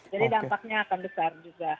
jadi dampaknya akan besar juga